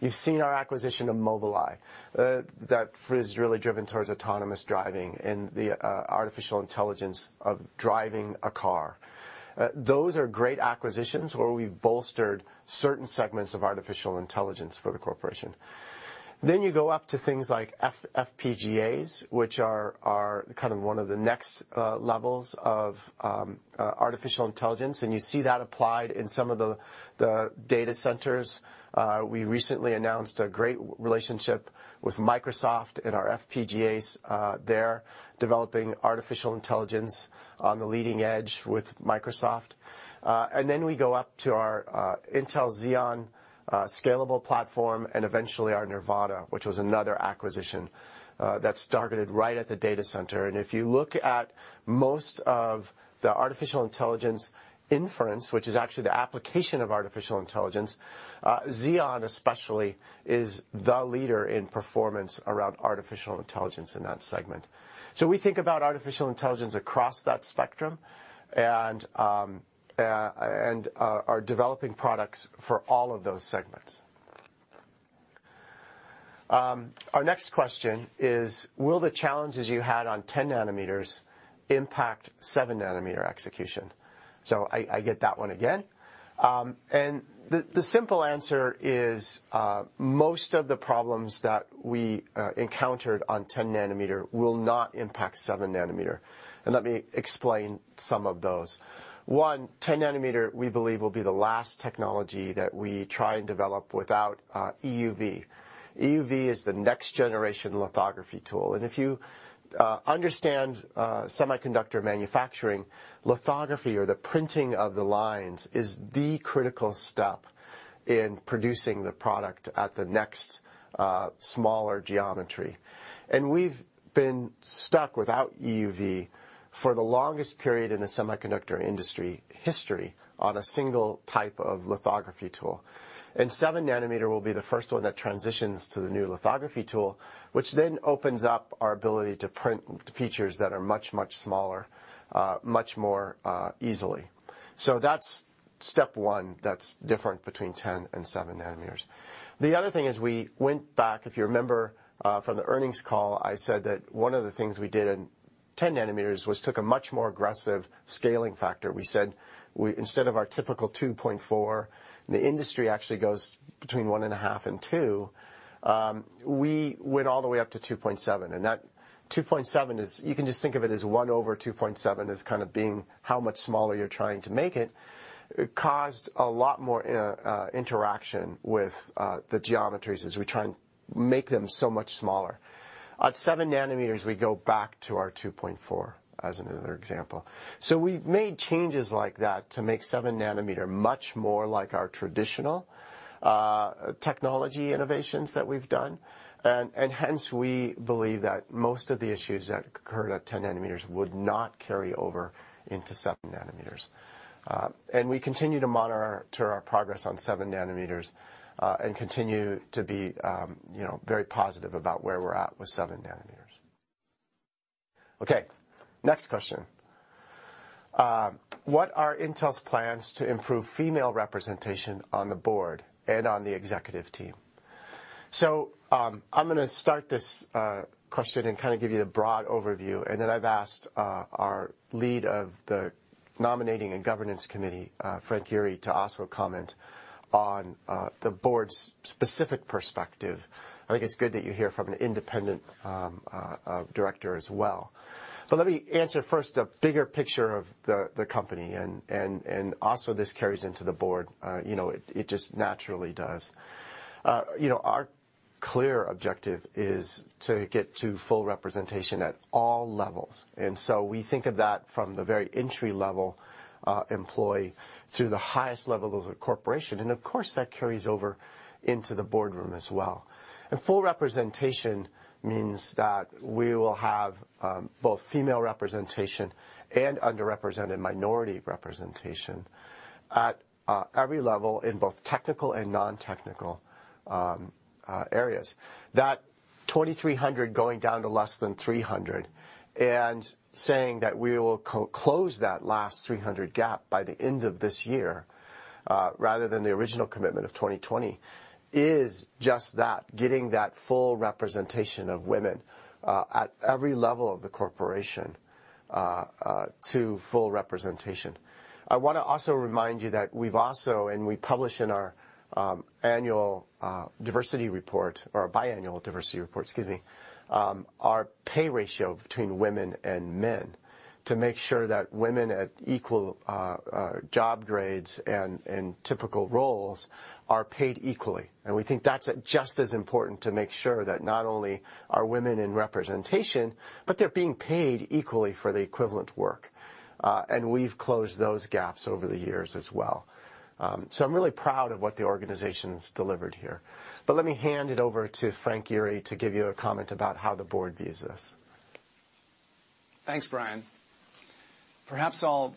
You've seen our acquisition of Mobileye. That is really driven towards autonomous driving and the artificial intelligence of driving a car. Those are great acquisitions where we've bolstered certain segments of artificial intelligence for the corporation. You go up to things like FPGAs, which are kind of one of the next levels of artificial intelligence, and you see that applied in some of the data centers. We recently announced a great relationship with Microsoft and our FPGAs there, developing artificial intelligence on the leading edge with Microsoft. We go up to our Intel Xeon Scalable platform and eventually our Nervana, which was another acquisition that's targeted right at the data center. If you look at most of the artificial intelligence inference, which is actually the application of artificial intelligence, Xeon especially is the leader in performance around artificial intelligence in that segment. We think about artificial intelligence across that spectrum, and are developing products for all of those segments. Our next question is, "Will the challenges you had on 10 nanometers impact seven-nanometer execution?" I get that one again. The simple answer is most of the problems that we encountered on 10 nanometer will not impact seven nanometer, and let me explain some of those. One, 10 nanometer, we believe, will be the last technology that we try and develop without EUV. EUV is the next generation lithography tool. If you understand semiconductor manufacturing, lithography, or the printing of the lines, is the critical step in producing the product at the next smaller geometry. We've been stuck without EUV for the longest period in the semiconductor industry history on a single type of lithography tool. 7 nanometer will be the first one that transitions to the new lithography tool, which then opens up our ability to print features that are much, much smaller, much more easily. That's step 1 that's different between 10 and 7 nanometer. The other thing is we went back, if you remember from the earnings call, I said that one of the things we did in 10 nanometer was took a much more aggressive scaling factor. We said instead of our typical 2.4, the industry actually goes between 1.5 and 2. We went all the way up to 2.7. That 2.7 is, you can just think of it as 1 over 2.7 as kind of being how much smaller you're trying to make it. It caused a lot more interaction with the geometries as we try and make them so much smaller. At 7 nanometer, we go back to our 2.4 as another example. We've made changes like that to make 7 nanometer much more like our traditional technology innovations that we've done. Hence, we believe that most of the issues that occurred at 10 nanometer would not carry over into 7 nanometer. We continue to monitor our progress on 7 nanometer, and continue to be very positive about where we're at with 7 nanometer. Next question. What are Intel's plans to improve female representation on the board and on the executive team? I'm going to start this question and kind of give you the broad overview. Then I've asked our lead of the Nominating and Governance Committee, Frank Yeary, to also comment on the board's specific perspective. I think it's good that you hear from an independent director as well. Let me answer first the bigger picture of the company. Also this carries into the board. It just naturally does. Our clear objective is to get to full representation at all levels. We think of that from the very entry level employee through the highest levels of the corporation. Of course, that carries over into the boardroom as well. Full representation means that we will have both female representation and underrepresented minority representation at every level in both technical and non-technical areas. That 2,300 going down to less than 300 and saying that we will close that last 300 gap by the end of this year rather than the original commitment of 2020 is just that, getting that full representation of women at every level of the corporation to full representation. I want to also remind you that we've also, we publish in our annual diversity report, or biannual diversity report, excuse me, our pay ratio between women and men to make sure that women at equal job grades and typical roles are paid equally. We think that's just as important to make sure that not only are women in representation, but they're being paid equally for the equivalent work. We've closed those gaps over the years as well. I'm really proud of what the organization's delivered here. Let me hand it over to Frank Yeary to give you a comment about how the board views this. Thanks, Brian. Perhaps I'll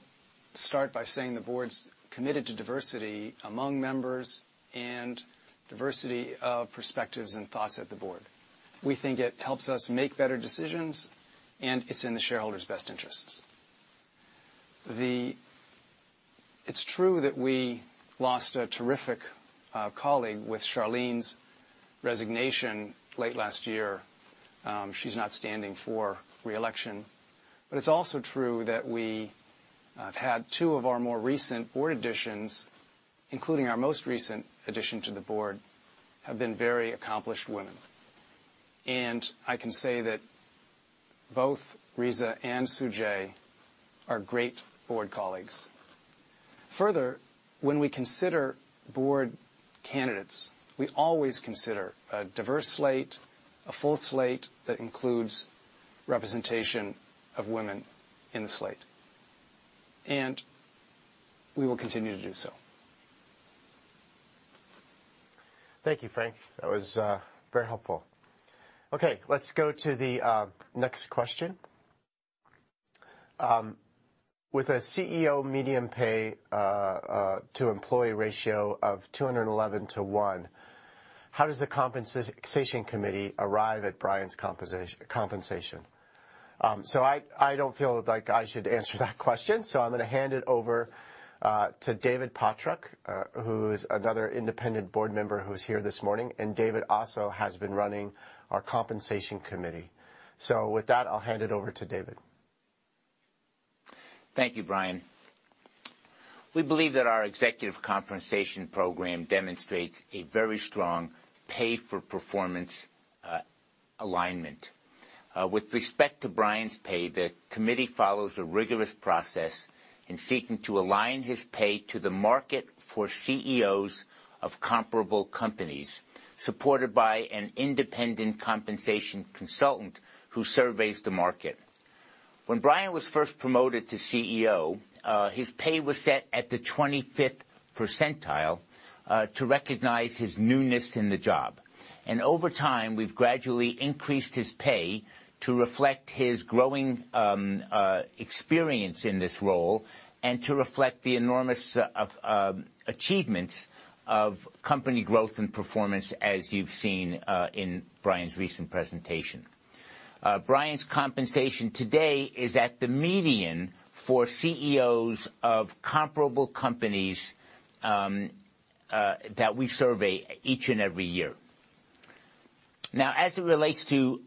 start by saying the board's committed to diversity among members and diversity of perspectives and thoughts at the board. We think it helps us make better decisions, and it's in the shareholders' best interests. It's true that we lost a terrific colleague with Charlene's resignation late last year. She's not standing for re-election. It's also true that we have had two of our more recent board additions, including our most recent addition to the board, have been very accomplished women. I can say that both Risa and Tsu-Jae are great board colleagues. Further, when we consider board candidates, we always consider a diverse slate, a full slate that includes representation of women in the slate. We will continue to do so. Thank you, Frank. That was very helpful. Okay, let's go to the next question. With a CEO median pay to employee ratio of 211 to one, how does the Compensation Committeearrive at Brian's compensation? I don't feel like I should answer that question. I'm going to hand it over to David Pottruck, who is another independent board member who's here this morning, and David also has been running our Compensation Committee. With that, I'll hand it over to David Thank you, Brian. We believe that our executive compensation program demonstrates a very strong pay-for-performance alignment. With respect to Brian's pay, the committee follows a rigorous process in seeking to align his pay to the market for CEOs of comparable companies, supported by an independent compensation consultant who surveys the market. When Brian was first promoted to CEO, his pay was set at the 25th percentile to recognize his newness in the job. Over time, we've gradually increased his pay to reflect his growing experience in this role and to reflect the enormous achievements of company growth and performance, as you've seen in Brian's recent presentation. Brian's compensation today is at the median for CEOs of comparable companies that we survey each and every year. As it relates to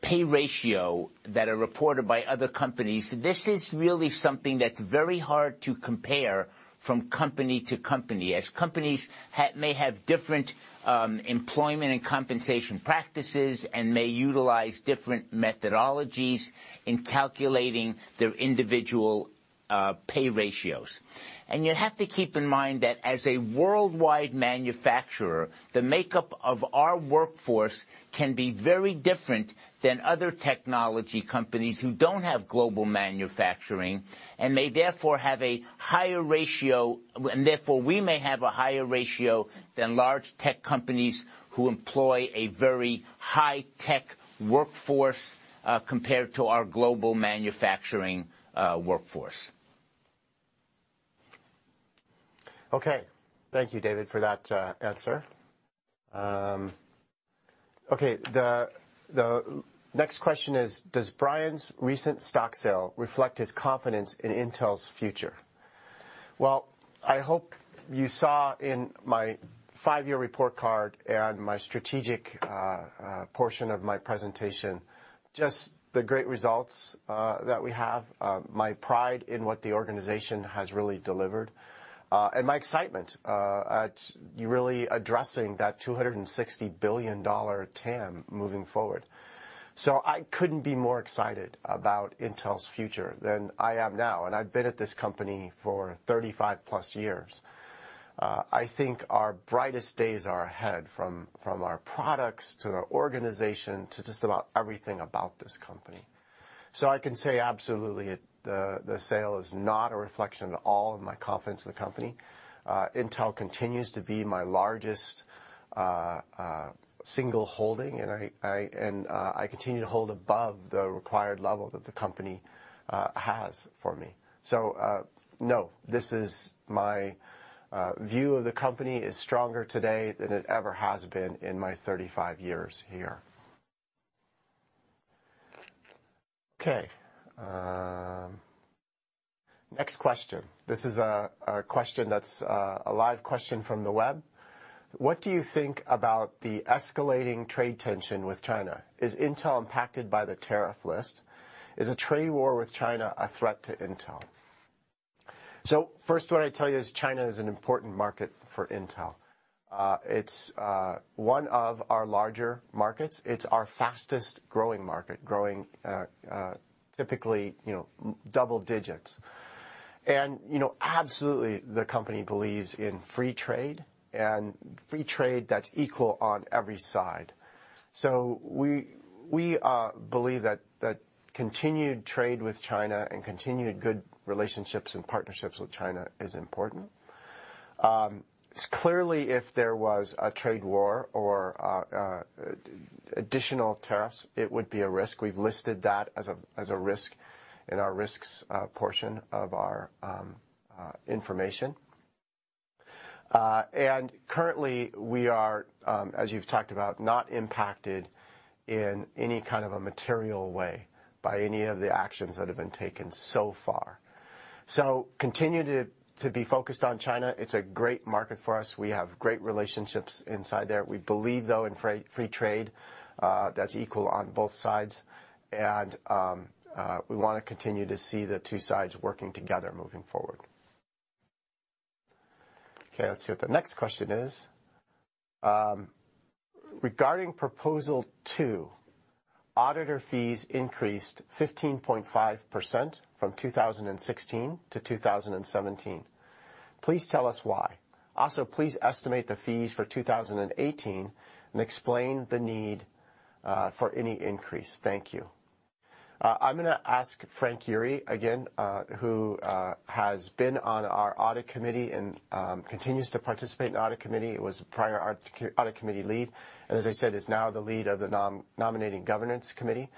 pay ratio that are reported by other companies, this is really something that's very hard to compare from company to company, as companies may have different employment and compensation practices and may utilize different methodologies in calculating their individual pay ratios. You have to keep in mind that as a worldwide manufacturer, the makeup of our workforce can be very different than other technology companies who don't have global manufacturing and may therefore have a higher ratio than large tech companies who employ a very high-tech workforce compared to our global manufacturing workforce. Okay. Thank you, David, for that answer. Okay, the next question is, does Brian's recent stock sale reflect his confidence in Intel's future? I hope you saw in my five-year report card and my strategic portion of my presentation just the great results that we have, my pride in what the organization has really delivered, and my excitement at really addressing that $260 billion TAM moving forward. I couldn't be more excited about Intel's future than I am now, and I've been at this company for 35-plus years. I think our brightest days are ahead, from our products to our organization to just about everything about this company. I can say absolutely, the sale is not a reflection at all on my confidence in the company. Intel continues to be my largest single holding, and I continue to hold above the required level that the company has for me. No, this is my view of the company is stronger today than it ever has been in my 35 years here. Okay. Next question. This is a question that's a live question from the web. What do you think about the escalating trade tension with China? Is Intel impacted by the tariff list? Is a trade war with China a threat to Intel? First what I'd tell you is China is an important market for Intel. It's one of our larger markets. It's our fastest-growing market, growing typically double digits. Absolutely, the company believes in free trade, and free trade that's equal on every side. We believe that continued trade with China and continued good relationships and partnerships with China is important. Clearly, if there was a trade war or additional tariffs, it would be a risk. We've listed that as a risk in our risks portion of our information. Currently we are, as you've talked about, not impacted in any kind of a material way by any of the actions that have been taken so far. Continue to be focused on China. It's a great market for us. We have great relationships inside there. We believe, though, in free trade that's equal on both sides, and we want to continue to see the two sides working together moving forward. Okay, let's see what the next question is. Regarding Proposal 2, auditor fees increased 15.5% from 2016 to 2017. Please tell us why. Also, please estimate the fees for 2018 and explain the need for any increase. Thank you. I'm going to ask Frank Yeary again, who has been on our Audit Committee and continues to participate in the Audit Committee, was prior Audit Committee lead, and as I said, is now the lead of the Nominating and Governance Committee,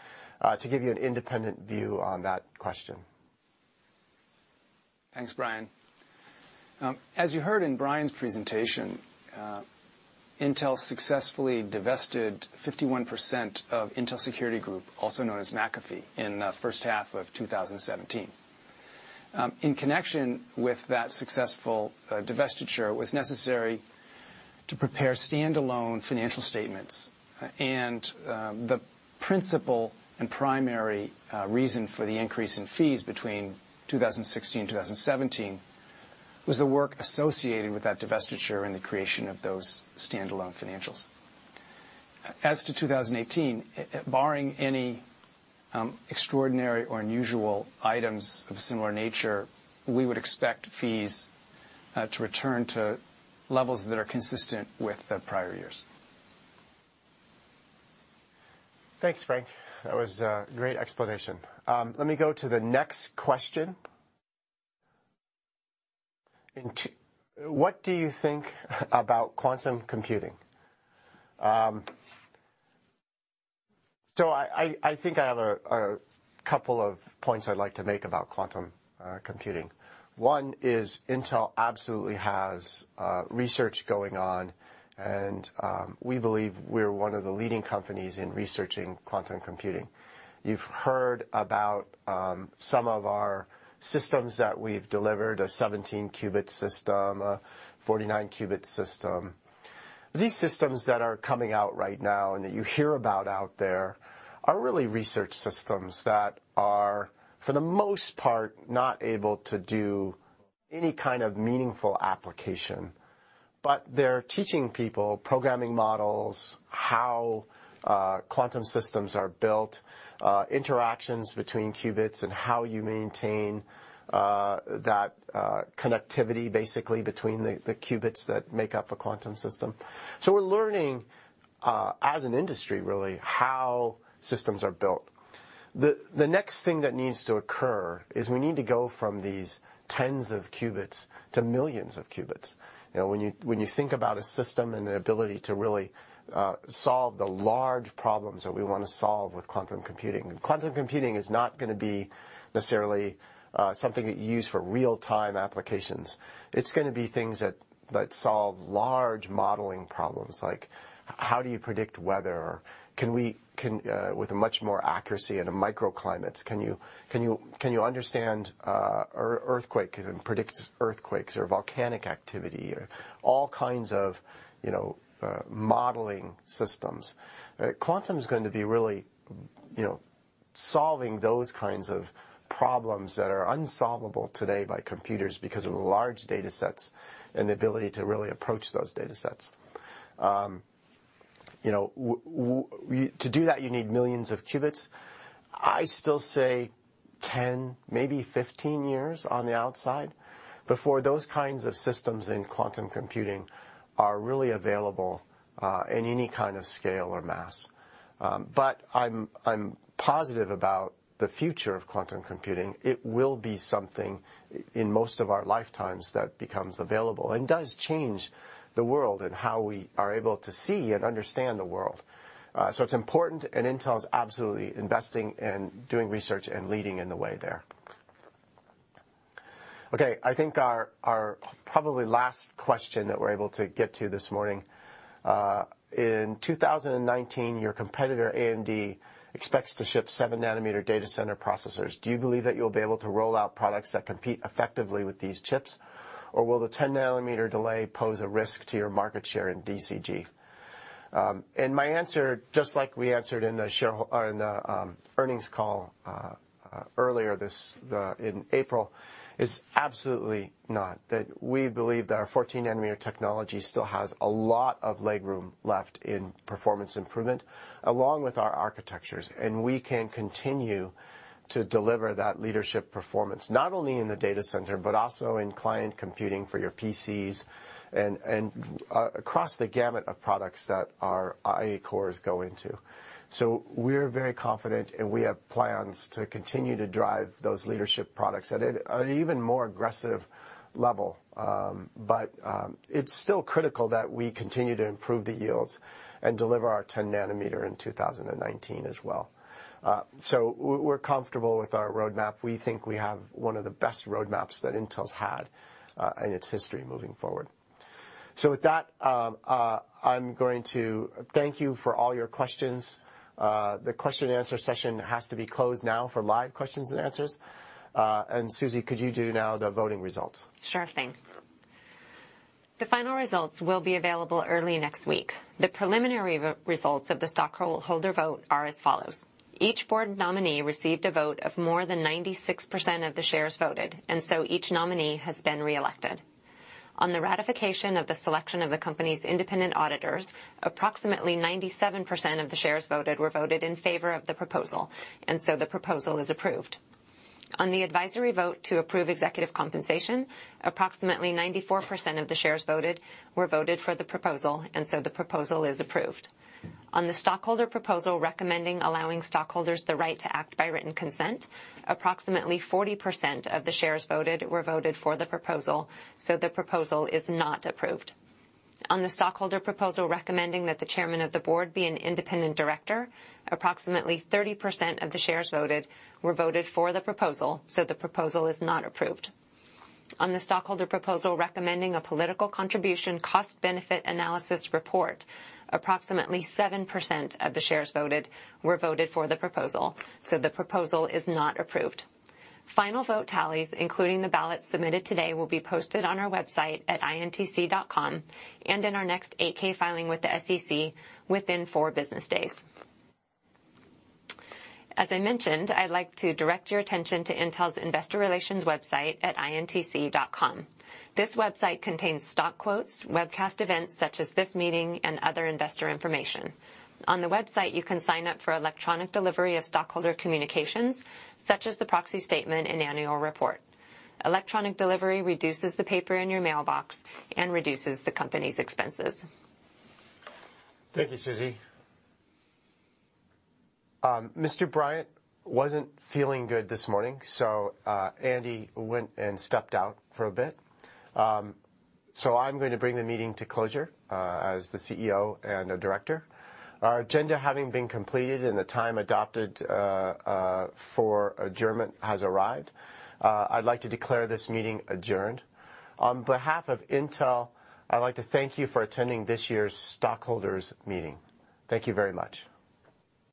to give you an independent view on that question. Thanks, Brian. As you heard in Brian's presentation, Intel successfully divested 51% of Intel Security Group, also known as McAfee, in the first half of 2017. In connection with that successful divestiture, it was necessary to prepare standalone financial statements. The principal and primary reason for the increase in fees between 2016 and 2017 was the work associated with that divestiture and the creation of those standalone financials. As to 2018, barring any extraordinary or unusual items of a similar nature, we would expect fees to return to levels that are consistent with the prior years. Thanks, Frank. That was a great explanation. Let me go to the next question. What do you think about quantum computing? I think I have a couple of points I'd like to make about quantum computing. One is Intel absolutely has research going on, and we believe we're one of the leading companies in researching quantum computing. You've heard about some of our systems that we've delivered, a 17 qubit system, a 49 qubit system. These systems that are coming out right now and that you hear about out there are really research systems that are, for the most part, not able to do any kind of meaningful application. They're teaching people programming models, how quantum systems are built, interactions between qubits, and how you maintain that connectivity, basically, between the qubits that make up a quantum system. We're learning, as an industry really, how systems are built. The next thing that needs to occur is we need to go from these tens of qubits to millions of qubits. When you think about a system and the ability to really solve the large problems that we want to solve with quantum computing. Quantum computing is not going to be necessarily something that you use for real-time applications. It's going to be things that solve large modeling problems like how do you predict weather? With much more accuracy in microclimates, can you understand earthquake, and predict earthquakes or volcanic activity, or all kinds of modeling systems? Quantum's going to be really solving those kinds of problems that are unsolvable today by computers because of the large data sets and the ability to really approach those data sets. To do that, you need millions of qubits. I still say 10, maybe 15 years on the outside before those kinds of systems in quantum computing are really available in any kind of scale or mass. I'm positive about the future of quantum computing. It will be something in most of our lifetimes that becomes available and does change the world and how we are able to see and understand the world. It's important, and Intel's absolutely investing, and doing research, and leading in the way there. I think our probably last question that we're able to get to this morning. In 2019, your competitor, AMD, expects to ship 7 nanometer data center processors. Do you believe that you'll be able to roll out products that compete effectively with these chips, or will the 10 nanometer delay pose a risk to your market share in DCG? My answer, just like we answered in the earnings call earlier in April, is absolutely not. That we believe that our 14 nanometer technology still has a lot of leg room left in performance improvement, along with our architectures. We can continue to deliver that leadership performance, not only in the data center, but also in client computing for your PCs and across the gamut of products that our IA cores go into. We're very confident, and we have plans to continue to drive those leadership products at an even more aggressive level. It's still critical that we continue to improve the yields and deliver our 10 nanometer in 2019 as well. We're comfortable with our roadmap. We think we have one of the best roadmaps that Intel's had in its history moving forward. With that, I'm going to thank you for all your questions. The question and answer session has to be closed now for live questions and answers. Susie, could you do now the voting results? Sure thing. The final results will be available early next week. The preliminary results of the stockholder vote are as follows. Each board nominee received a vote of more than 96% of the shares voted, each nominee has been reelected. On the ratification of the selection of the company's independent auditors, approximately 97% of the shares voted were voted in favor of the proposal, the proposal is approved. On the advisory vote to approve executive compensation, approximately 94% of the shares voted were voted for the proposal, the proposal is approved. On the stockholder proposal recommending allowing stockholders the right to act by written consent, approximately 40% of the shares voted were voted for the proposal, the proposal is not approved. On the stockholder proposal recommending that the chairman of the board be an independent director, approximately 30% of the shares voted were voted for the proposal, so the proposal is not approved. On the stockholder proposal recommending a political contribution cost-benefit analysis report, approximately 7% of the shares voted were voted for the proposal, so the proposal is not approved. Final vote tallies, including the ballots submitted today, will be posted on our website at intc.com and in our next 8-K filing with the SEC within four business days. As I mentioned, I'd like to direct your attention to Intel's investor relations website at intc.com. This website contains stock quotes, webcast events such as this meeting, and other investor information. On the website, you can sign up for electronic delivery of stockholder communications, such as the proxy statement and annual report. Electronic delivery reduces the paper in your mailbox and reduces the company's expenses. Thank you, Susie. Mr. Bryant wasn't feeling good this morning, so Andy went and stepped out for a bit. I'm going to bring the meeting to closure as the CEO and a director. Our agenda having been completed and the time adopted for adjournment has arrived, I'd like to declare this meeting adjourned. On behalf of Intel, I'd like to thank you for attending this year's stockholders meeting. Thank you very much.